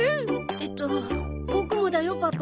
えっとボクもだよパパ。